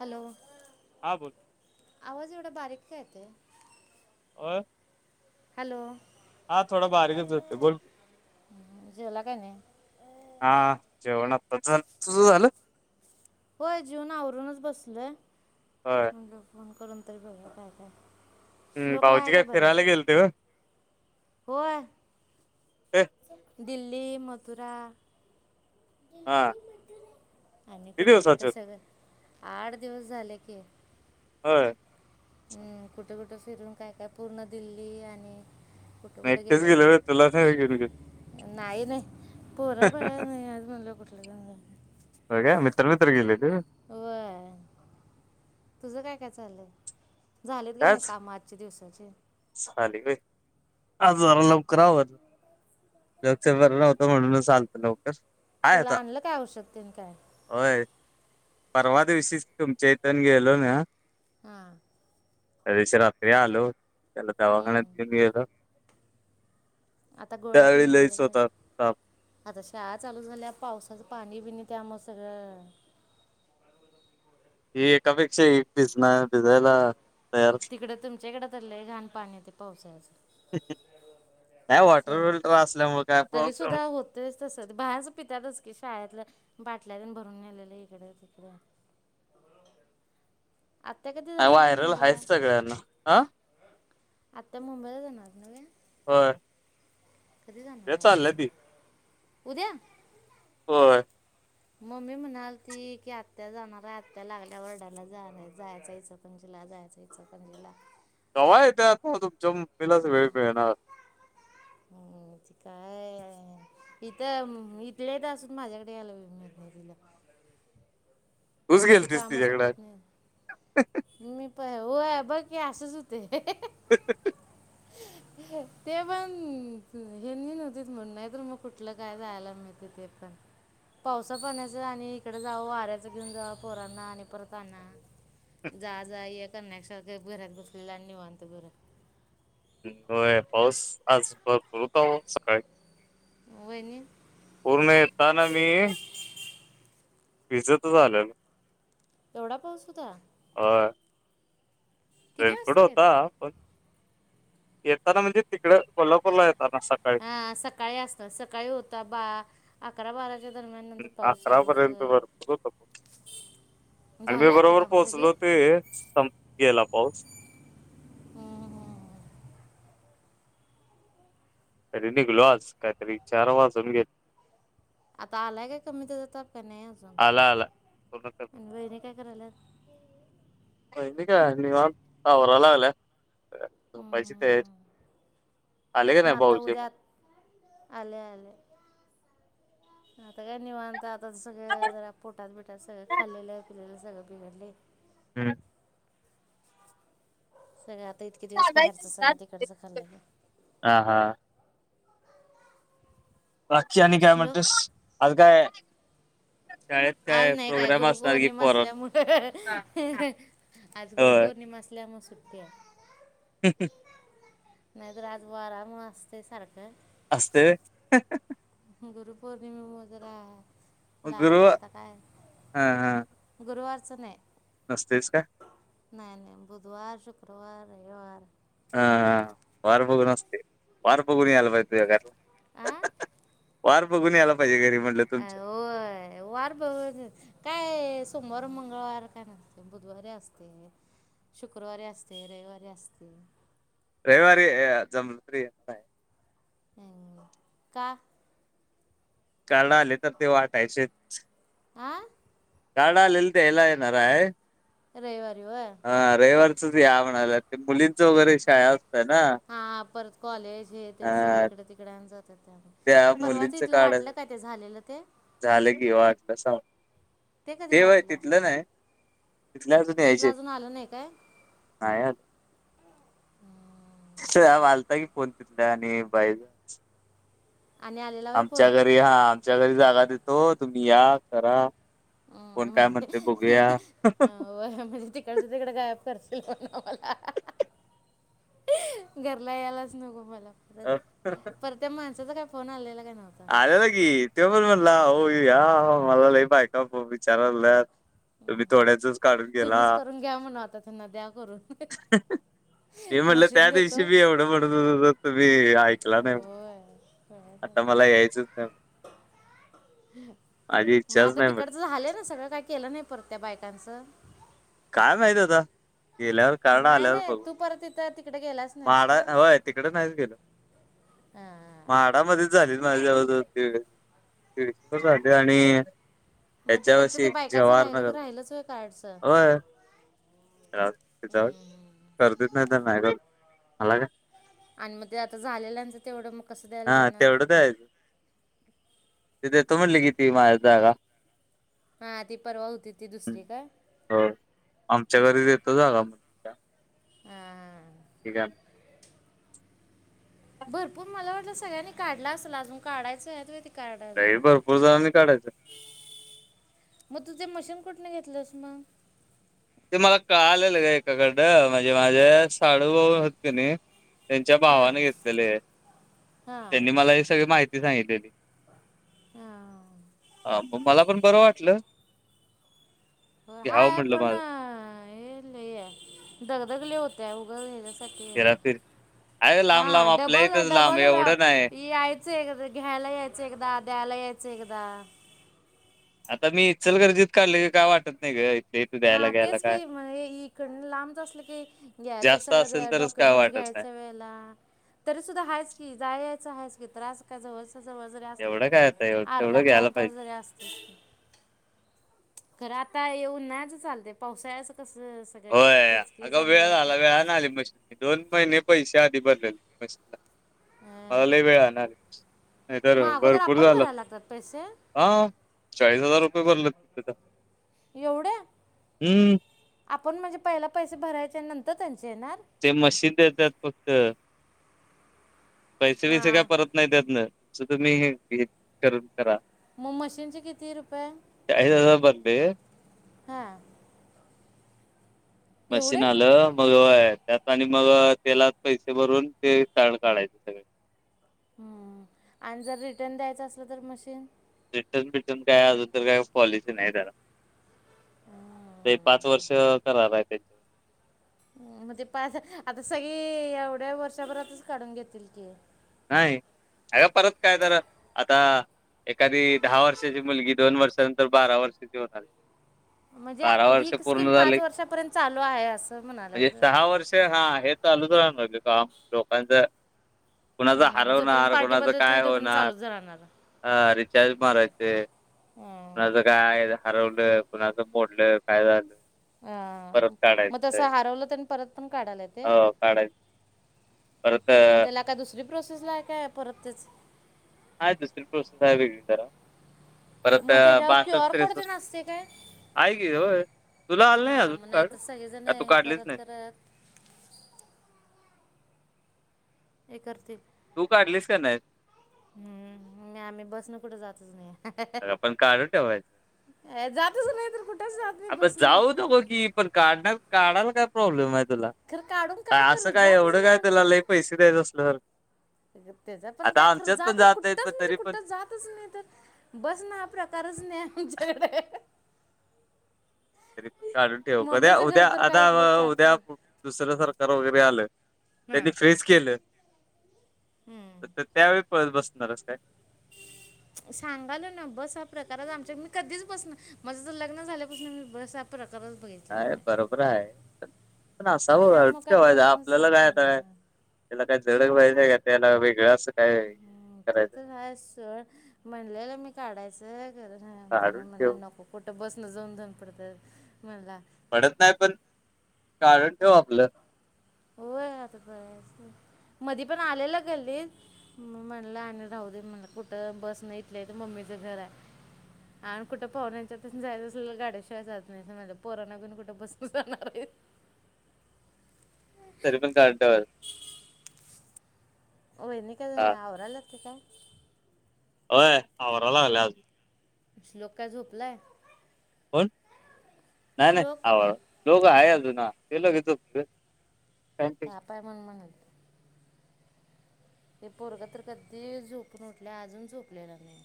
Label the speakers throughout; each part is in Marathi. Speaker 1: हॅलो.
Speaker 2: हा बोल
Speaker 1: आवाज एवढा बारीक का येतोय.
Speaker 2: [unintelligible]
Speaker 1: हॅलो.
Speaker 2: हा थोडं बारीकच होते बोल की.
Speaker 1: जेवला काय नाही?
Speaker 2: हा जेवण आताच झालं तुझं झालं.
Speaker 1: होय जेवूण आवरूनच बसलोय.
Speaker 2: होय.
Speaker 1: म्हणल फोन करून तरी बघूया काय काय.
Speaker 2: ह
Speaker 1: श्लोकला
Speaker 2: भाऊजी
Speaker 1: आहे
Speaker 2: काय
Speaker 1: का बरं?
Speaker 2: फिरायला गेलते होय.
Speaker 1: होय.
Speaker 2: ते
Speaker 1: दिल्ली मथुरा.
Speaker 2: हा
Speaker 1: आणि
Speaker 2: किती
Speaker 1: कुठं कुठं
Speaker 2: दिवसाचे
Speaker 1: सगळं आठ दिवस झाले की.
Speaker 2: होय.
Speaker 1: हम कुठ कुठ फिरून काय काय पूर्ण दिल्ली आणि, कुठे
Speaker 2: एकटेच गेले
Speaker 1: गेलेले
Speaker 2: होय तुला नाही घेऊन गेले
Speaker 1: नाही रे पोरं बाहेर निघाली. [unintelligible]
Speaker 2: होय काय मित्र मित्र गेलेले होय.
Speaker 1: व्हय. तुझं काय काय चालय, झालेत कणी काम आजच्या दिवसाची.
Speaker 2: झाले बाई आज जरा लवकर आवरले. [unintelligible] म्हणूनच आलतो लवकर. हाय
Speaker 1: त्याला
Speaker 2: आता
Speaker 1: आणलं काय औषध तेन काय.
Speaker 2: होय परवा दिवशीच तुमच्या इथून गेलो ना.
Speaker 1: हा.
Speaker 2: त्यादिवशी रात्री आलो, त्याला दवाखान्यात
Speaker 1: हम्म.
Speaker 2: बी नेलं.
Speaker 1: आता गोळ्या तेन
Speaker 2: त्यावेळी लईच
Speaker 1: आणलेल हाय.
Speaker 2: होता ताप.
Speaker 1: आता शाळा चालू झाल्या पावसाचं पाणी बिनी त्यामुळे सगळं.
Speaker 2: एकापेक्षा एक भिजणार भिजायला. तयार
Speaker 1: तिकडे तुमच्या हिकडं तर लय घाण पाणी येत पावसाचं.
Speaker 2: नाही वॉटर फिल्टर असल्यामुळे काय प्रॉब्लेम.
Speaker 1: तरीसुद्धा होतेच तस बाहेरच पित्यातच की शाळेतलं बाटल्या तेन भरून नेलेलं इकडं तिकडं. आता कधी
Speaker 2: नाही
Speaker 1: जाणार आहे
Speaker 2: व्हायरल
Speaker 1: मुंबईला.
Speaker 2: आहेच सगळ्यांना हा
Speaker 1: आता मुंबईला जाणार नव्हे.
Speaker 2: होय.
Speaker 1: कधी जाणार
Speaker 2: ते
Speaker 1: आहे
Speaker 2: चाललंय ती
Speaker 1: उद्या.
Speaker 2: होय.
Speaker 1: मम्मी म्हणाल ती की आत्या जाणार आहे. आत्या लागल्या वरडाल्या जाणार जायच इचल इचलकरंजीला जायाचं इचलकरंजीला.
Speaker 2: कवा येत्यात तुमच्या मम्मीलाच वेळ मिळना.
Speaker 1: हम ती काय. इथं इथल्या इथ असून माझ्याकडं यायला वेळ मिळत नाही तिला.
Speaker 2: तूच
Speaker 1: तिजी
Speaker 2: गेलतीस
Speaker 1: कामं
Speaker 2: तिच्याकडे
Speaker 1: सपत नाही. मी प व्हयं बघ की असच होतंय. ते पण हेनी नव्हतं म्हणून नाहीतर, मग कुठलं काय जायला मिळतय ते पण. पावसा पाण्याच आणि इकडे जाव वाऱ्यात घेऊन जाव पोरांना आणि परत आना. जा जा ये करण्यापेक्षा गप्प घरात बसलेल निवांत बरं.
Speaker 2: होय पाऊस आज भरपूर होता बाबा सकाळी.
Speaker 1: वहिनी.
Speaker 2: पूर्ण येताना मी भिजायचं आलेलो.
Speaker 1: एवढा पाऊस होता.
Speaker 2: होय.
Speaker 1: किती
Speaker 2: रेनकोट
Speaker 1: वाजता गेला
Speaker 2: होता. पण येताना म्हणजे तिकडं कोल्हापूरला येताना सका
Speaker 1: हा सकाळी असत सकाळी होता बा अकरा बारा.
Speaker 2: अकरा पर्यंत भरपूर होता पाऊस. आणि मी
Speaker 1: झाली आजची
Speaker 2: बरोबर
Speaker 1: कामं सगळी
Speaker 2: पोहोचलो ते [unintelligible] गेला पाऊस. तरी निघलो आज काहीतरी चार वाजण गेले.
Speaker 1: आता आलाय काय कमी त्याचा ताप काय नाही अजून
Speaker 2: आला आला पूर्ण
Speaker 1: आणि वहिणी काय करायल्यात?
Speaker 2: [unintelligible] लागल्या. झोपायची तयारी
Speaker 1: हम्म.
Speaker 2: आले का
Speaker 1: मग
Speaker 2: नाय
Speaker 1: आता
Speaker 2: भाऊजी
Speaker 1: उद्या
Speaker 2: मग?
Speaker 1: आले आले. आता काय निवांत आता सगळं जरा पोटात बिटात सगळं खाल्लेलं पिलेलं सगळं बिघडलय.
Speaker 2: हम्म.
Speaker 1: सगळं आता इतके दिवस बाहेरचं सगळं तिकडचं खाल्लेलं [inaudible]
Speaker 2: हा हा
Speaker 1: [unintelligible]
Speaker 2: बाकी आणि काय
Speaker 1: श्लोक
Speaker 2: म्हणतेस आज काय शाळेत
Speaker 1: आज नाय काय
Speaker 2: प्रोग्राम असणार की
Speaker 1: गुरुपौर्णिमा
Speaker 2: पोरांन
Speaker 1: असल्यामुळ आज
Speaker 2: होय
Speaker 1: गुरुपौर्णिमा असल्यामुळ सुट्टी हाय.
Speaker 2: हं हं [unintelligible]
Speaker 1: नाय तर आज वारामुळे असतंय सारखं.
Speaker 2: असतंय वय?
Speaker 1: गुरुपौर्णिमेमुळे जरा लागलंय
Speaker 2: गुरुवार
Speaker 1: आता काय
Speaker 2: हा
Speaker 1: गुरुवारचा नाय.
Speaker 2: नसतयच काय?
Speaker 1: नाय नाय बुधवार शुक्रवार रविवार
Speaker 2: हा हा वार बगुण असते वार बघून यायला पाहिजे तुझ्या घरला.
Speaker 1: आ
Speaker 2: वार बघून यायला पाहिजे घरी म्हटलं
Speaker 1: अ
Speaker 2: तुमच्या
Speaker 1: होय वार बघ काय सोमवार मंगळवार काय नसतंय बुधवारी असतंय. शुक्रवारी असतय रविवारी असतय.
Speaker 2: रविवारी जमलत म्ह [unintelligible]
Speaker 1: का?
Speaker 2: कार्ड आलेत तर ते वाटायचेयत.
Speaker 1: आं?
Speaker 2: कार्ड आलेले द्यायला येणार हाय.
Speaker 1: रविवारी होय?
Speaker 2: हा रविवारचच या म्हणाल्यात ते मुलींचं वगैरे शाळा असत्या ना
Speaker 1: हा परत कॉलेज हे ते सगळे
Speaker 2: अ
Speaker 1: इकड तिकडन जातात त्यामुळ
Speaker 2: त्या
Speaker 1: ते परवाचं
Speaker 2: मुलींच
Speaker 1: इथलं वाटलं
Speaker 2: काढायसाठी
Speaker 1: काय ते झालेलं ते?
Speaker 2: झालं की ओवाटसां [unintelligible]
Speaker 1: कधी
Speaker 2: ते होय
Speaker 1: वाटलं
Speaker 2: तिथलं नाय तिथलं अजून
Speaker 1: तिथलं
Speaker 2: यायचे
Speaker 1: आलं नाही काय
Speaker 2: हायेत. नाय आलता की फोन तिथल्या आणि बाई [unintelligible]
Speaker 1: आणि आलेला वय फोन
Speaker 2: आमच्या घरी हा आमच्या घरी जागा देतो तुम्ही या करा
Speaker 1: ह
Speaker 2: कोण
Speaker 1: [unintelligible]
Speaker 2: काय म्हणते बघूया.
Speaker 1: तिकडच्या तिकडं गायब करशील म्हणावं मला. घरला यायलाच नको मला परत परत त्या माणसाचा काय फोन आलेला काय नव्हत?
Speaker 2: आलेला की त्यो पण म्हणला अहो या मला लय बायका विचारायला लागल्यात [unintelligible] तुम्ही थोड्याचंच काढून
Speaker 1: तुम्हीच
Speaker 2: गेला.
Speaker 1: करून घ्या म्हणा आता त्यांना द्या करून
Speaker 2: मी म्हणलं
Speaker 1: मशीन
Speaker 2: त्या
Speaker 1: देतो
Speaker 2: दिवशी बी एवढं [unintelligible] तूम्ही ऐकला नाय.
Speaker 1: हा [unintelligible]
Speaker 2: आता मला यायचंच नाय.
Speaker 1: मग
Speaker 2: इच्छाच
Speaker 1: आता
Speaker 2: नाही म्हटली
Speaker 1: तिकडच झालं ना सगळं काय केलं नाही परत बायकांचं?
Speaker 2: काय माहित आता गेल्यावर कार्ड
Speaker 1: नाय
Speaker 2: आल्यावर
Speaker 1: नाय
Speaker 2: बघू.
Speaker 1: तू परत तिथं तिकडं परत गेलाच नाईस
Speaker 2: म्हाडा
Speaker 1: का?
Speaker 2: होय तिकडे
Speaker 1: हा हा.
Speaker 2: माडामध्येच झालेत माझ्यावजवळ तळशीवर झाले आणि [unintelligible]
Speaker 1: मग
Speaker 2: त्याच्या
Speaker 1: तिकडचं ते
Speaker 2: वर्षी
Speaker 1: बायकांचं
Speaker 2: जवाहर
Speaker 1: राहिलं तर
Speaker 2: नगर
Speaker 1: राहिलंच होय कार्डचं?
Speaker 2: होय. च्यावर
Speaker 1: हम्म.
Speaker 2: करतेत नाही तर नाही कर मला काय [unintelligible]
Speaker 1: आणि मग ज्यांचा झालेल्याच तेवढ मग कसं द्यायला
Speaker 2: हा
Speaker 1: जाणार
Speaker 2: तेवढंचयचं तिथे देतो म्हटली कि ती माझ्या जागा.
Speaker 1: हा ती परवा होती ती
Speaker 2: हं,
Speaker 1: दुसरी काय?
Speaker 2: हो आमच्या घरीच येत जागा म्हटली
Speaker 1: हा.
Speaker 2: ठीक आहे.
Speaker 1: भरपूर मला वाटलं सगळ्यांनी काढला असेल अजून काढयचंय काढा ना.
Speaker 2: लई भरपूर जणांनी काढायचं
Speaker 1: मग तु ते मशीन कुठून घेतलंस मग?
Speaker 2: ते मला कळालेलं ग एका एकाकडं म्हणजे माझ्या साडूबाऊ होत का नाही त्यांच्या
Speaker 1: हां
Speaker 2: भावाने घेतलेले आहे
Speaker 1: हां
Speaker 2: त्यांनी मला ही सगळी माहिती सांगितली आहे.
Speaker 1: हां
Speaker 2: अ पण मला पण बरं वाटलं. घ्यावं
Speaker 1: हाय
Speaker 2: म्हटलं
Speaker 1: पण
Speaker 2: माझ
Speaker 1: हे लय हाय दगदग लय होत्या उग
Speaker 2: हेराफेरी अरे
Speaker 1: हा
Speaker 2: लांब लांब आपल्या
Speaker 1: डबल
Speaker 2: इथंच लांब
Speaker 1: डबल
Speaker 2: एवढं
Speaker 1: व्याप
Speaker 2: नाही
Speaker 1: याय च एकदा घ्यायला यायचं एकदा द्यायला यायचं एकदा.
Speaker 2: आता मी इचलकरंजीत काढले की काय वाटत नाही ग. इथल्या इथं द्यायला
Speaker 1: हा
Speaker 2: घ्यायला
Speaker 1: तेच
Speaker 2: काय
Speaker 1: की म्हण इकड लांब जर असाल की ते
Speaker 2: जास्त असेल
Speaker 1: सगळं
Speaker 2: तरच काय
Speaker 1: डॉक्युमेंट्स
Speaker 2: वाटत नाही
Speaker 1: घ्यायचा वेळ ला तरी सुद्धा आहेच की जायच आहे की त्रास का जवळ जवळ जरी असलं
Speaker 2: एवढं
Speaker 1: तरी
Speaker 2: काय आता एवढं
Speaker 1: अर्धा
Speaker 2: तेवढं घ्यायला
Speaker 1: पावता
Speaker 2: पाहिजे
Speaker 1: जरी असत खरं आता ये ऊन्हाळयाच चालतय पावसाळ्याच कस
Speaker 2: होय अग वेळ झाला वेळाने आली मशीनने दोन महिने पैसे आधी भरलेले मशीनला.
Speaker 1: अं,
Speaker 2: मलाला वेळ आणार आहे [unintelligible] नाही तर
Speaker 1: मग अगोदर
Speaker 2: भरपूर
Speaker 1: आपण
Speaker 2: झालं
Speaker 1: भरायला लागतात पैसे
Speaker 2: हा चाळीस हजार रुपये भरल
Speaker 1: एवढ्या आपण म्हणजे पहिला पैसे भरायच्या नंतर त्यांचे येणार?
Speaker 2: ते मशीन देतात फक्त पैसे बैसे काय
Speaker 1: हां
Speaker 2: परत नाही त्यातल. तुम्ही हे हे करून करा [unintelligible]
Speaker 1: मग मशीन चे किती रुपये?
Speaker 2: चालीस हजार भरतय
Speaker 1: हां
Speaker 2: मशीन
Speaker 1: एवढे
Speaker 2: आलं मग होय आणि मग त्याला पैसे भरून ते कार्ड काढायचे सगळे
Speaker 1: हा आणि जर रिटर्न द्यायचं असलं तर मशीन?
Speaker 2: रिटर्न बिटर्न काय अजून तर काही पॉलिसी नाही त्या ला. ते पाच वर्ष करार आहे ते.
Speaker 1: मग ते पाच आता सगळे एवढ्या वर्षाभरातच काढून घेतील की.
Speaker 2: नाही अ का [unintelligible] परत काय तर आता एखादी दहा वर्षाची मुलगी दोन वर्षानंतर बारा वर्षाची होणार.
Speaker 1: म्हणजे
Speaker 2: बारा वर्ष
Speaker 1: ही स्कीम
Speaker 2: पूर्ण झाले
Speaker 1: पाच वर्षापर्यंत चालू आहे असं म्हणाले
Speaker 2: म्हणजे सहा वर्ष हा आहेत चालूच राहणार काम लोकांच [unintelligible] कुणाच
Speaker 1: जोपर्यंत
Speaker 2: हरवणार
Speaker 1: पार्टी
Speaker 2: कुणाचं
Speaker 1: बदलत
Speaker 2: काय
Speaker 1: नाही तोपर्यंत
Speaker 2: होणार
Speaker 1: चालूच राहणार
Speaker 2: अ रिचार्ज मारायचे
Speaker 1: हम्म.
Speaker 2: कुणाचं काय हरवलं कुणाचं मोडलं काय झालं.
Speaker 1: अ
Speaker 2: परत
Speaker 1: मग
Speaker 2: काढायचंय
Speaker 1: तसं हरवलं तर परत पण काढाला येतय?
Speaker 2: हो काढ
Speaker 1: मग त्याला काय दुसरी प्रोसेस लाय काय परत तेच?
Speaker 2: हाय दुसरी प्रोसेस आहे वेगळी जरा परत
Speaker 1: मग त्याच्यावर क्यू
Speaker 2: बासष्ट
Speaker 1: आर कोड ते
Speaker 2: त्रेसष्ट
Speaker 1: नसते काय
Speaker 2: आहे की होय तुला आलं नाही
Speaker 1: हां
Speaker 2: अजून
Speaker 1: मग
Speaker 2: काढ
Speaker 1: तर सगळेजण
Speaker 2: का तू
Speaker 1: हे
Speaker 2: काढलीच
Speaker 1: करत
Speaker 2: नाही?
Speaker 1: करत एक करते
Speaker 2: तू काढलीस काय नाही?
Speaker 1: हम्म नाही आम्ही बसनं कुठे जातच नाही.
Speaker 2: अगं पण काढून ठेवायचं
Speaker 1: जातच नाही तर कुठ
Speaker 2: आग जाऊत नको की पण काढणार काढायला काय प्रॉब्लेम आहे? तुला
Speaker 1: खरं काढून
Speaker 2: असं
Speaker 1: करू
Speaker 2: काय
Speaker 1: जातच
Speaker 2: एवढं
Speaker 1: नाही
Speaker 2: काय
Speaker 1: आम्ही
Speaker 2: तुला लयी पैसे द्यायच असल
Speaker 1: त्याच पण काय खरं जात
Speaker 2: नाहीत पण
Speaker 1: कुठच म्हणजे
Speaker 2: तरी पण
Speaker 1: कुठंच जातच नाही तर. बस ना हा प्रकारच नाही आमच्याकडे.
Speaker 2: तरी पण काढून ठेव कध्या
Speaker 1: मम्मीचं घर
Speaker 2: उद्या
Speaker 1: तर
Speaker 2: आता
Speaker 1: काय इथलं चार
Speaker 2: उद्या
Speaker 1: पाव
Speaker 2: दुसरं सरकार वगैरे आलं त्यांनी
Speaker 1: हम्म
Speaker 2: फेज केलं
Speaker 1: हम्म
Speaker 2: तर त्यावेळी पळत बसणार आहेस काय?
Speaker 1: ह [unintelligible] सांगालो ना बस हा प्रकार आमच्या मी कधीच बसणार माझं तर लग्न झाल्यापासून मी बस हा प्रकारच बघितलेला नाय.
Speaker 2: खर आहे पण असाव बघा
Speaker 1: त्यामुळं काय
Speaker 2: ठेवायच
Speaker 1: प्रश्नच
Speaker 2: आपल्याला
Speaker 1: येत
Speaker 2: काय
Speaker 1: नाही मला.
Speaker 2: त्याला काय झडक वहिजे का त्याला वेगळ असं [unintelligible]
Speaker 1: ह ते
Speaker 2: करायचं
Speaker 1: तर आहे सोड म्हणलेला मी काढायचं करर ना्हा
Speaker 2: काढून
Speaker 1: मला
Speaker 2: ठेव
Speaker 1: नको कुठं बसणं जाऊन जाऊन पडतं मला [unintelligible]
Speaker 2: पडत नाही पण कारण ठेव आपलं
Speaker 1: होय [unintelligible] ब मधी पण आलेला गल्लीत. म्हणलं आणि राहू दे म्हण कुठं बस नाही इथले तर मम्मीच घर आहे. आणि कुठं पाहुण्याच्या पण जायच असले गाड्याशिवाय जात नाही माझ्या पोराना प कुठं बसून जाणार आहे.
Speaker 2: सरी पण काटवर [unintelligible]
Speaker 1: वहिनी काय
Speaker 2: हा
Speaker 1: आवराल्यात कि काय?
Speaker 2: होय आवराल्यात.
Speaker 1: श्लोक काय झोपलाय?
Speaker 2: होण नाही नाही
Speaker 1: श्लोक
Speaker 2: आव लोक आहे अजुून ते लोक येतो तझ [unintelligible] थँक्यू [unintelligible]
Speaker 1: पाय म्हण म्हगून ते पोरगं तर कधी झोपून उठले अजून झोपलेला नाही.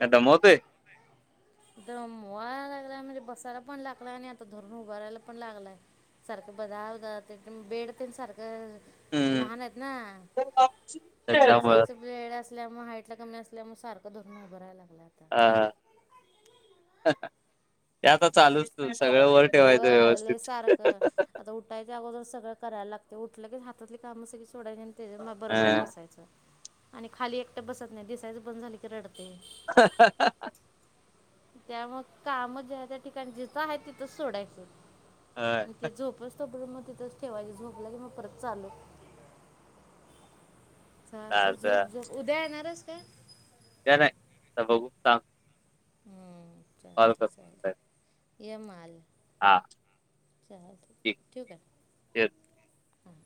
Speaker 2: काय दमवतोय?
Speaker 1: [inaudible] [unintelligible] दमवा लागँलाय म्हणजे बसायला पण लागला आणि आता धरून पण लागलाय. सारखं बधा बेड पण सारखं
Speaker 2: हम्म
Speaker 1: लहान आहेत ना [unintelligible] निम्म्या
Speaker 2: त्याच्यामुळं
Speaker 1: साईजचबेड असल्यामुळे हईट ला कमी असल्यामुळेग सारखं धरून उभरायला लागलं आता.
Speaker 2: ह ते याता चालूच सगळं वर ठेवायचं
Speaker 1: होय लय
Speaker 2: व्यवस्थित.
Speaker 1: सारखं आता उठायच्या अगोदर सगळं कराय लागते. उठलं की हातातली कामं सगळी सोडायची आणि. तेचा मग बरोबरच
Speaker 2: हा
Speaker 1: बसायचं. आणि खाली एकटं बसत नाही दिसायचं बंद झालं की रडते.
Speaker 2: हाहाहा.
Speaker 1: त्यामुळं मग काम ज्या त्या ठिकाणी जिथं आहे तिथंच सोडायचं. म ते झोपू स्तो [unintelligible] मग ठेवायची झोपलं की मग परत चालू. चालतंय
Speaker 2: चालत
Speaker 1: झोप झोप उद्या येणार येस काय.
Speaker 2: काय नाही बघू थांब.
Speaker 1: हम चालते चालते ये मग आला
Speaker 2: आ.
Speaker 1: चालतंय ठू काय.
Speaker 2: ठीक
Speaker 1: हम.